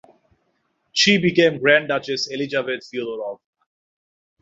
She became Grand Duchess Elizabeth Feodorovna.